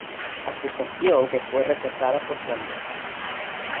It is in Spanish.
Acusación que fue rechazada por Sanders.